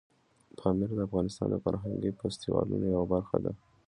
پامیر د افغانستان د فرهنګي فستیوالونو یوه برخه ده.